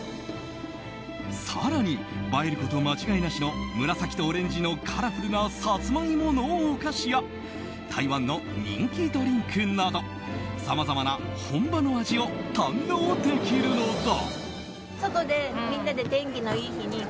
更に映えること間違いなしの紫とオレンジのカラフルなサツマイモのお菓子や台湾の人気ドリンクなどさまざまな本場の味を堪能できるのだ。